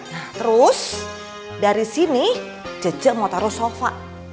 nah terus dari sini jejeng mau taruh sofa